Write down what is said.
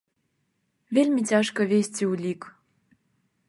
Вельмі цяжка весці ўлік.